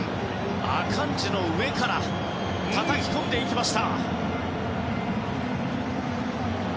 アカンジの上からたたきこんでいきました。